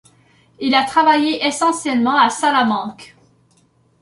Il a travaillé essentiellement à Salamanque.